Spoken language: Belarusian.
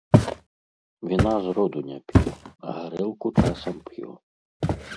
Віна з роду не піў, а гарэлку часам п'ю.